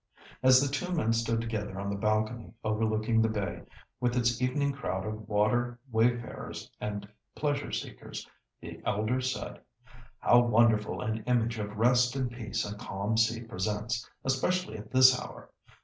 As the two men stood together on the balcony overlooking the bay with its evening crowd of water wayfarers and pleasure seekers, the elder said— "How wonderful an image of rest and peace a calm sea presents, especially at this hour!